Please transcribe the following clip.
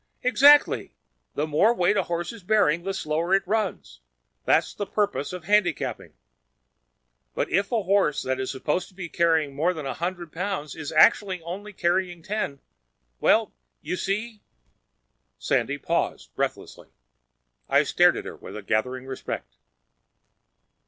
"Exactly! The more weight a horse is bearing, the slower it runs. That's the purpose of handicapping. But if a horse that was supposed to be carrying more than a hundred pounds was actually only carrying ten—Well, you see?" Sandy paused, breathless. I stared at her with a gathering respect.